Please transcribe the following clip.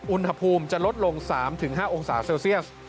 อุณหภูมิจะลดลง๓๕องศาเซลเซียส